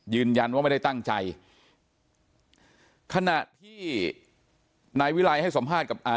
ยืนยันว่าไม่ได้ตั้งใจขณะที่นายวิรัยให้สัมภาษณ์กับอ่า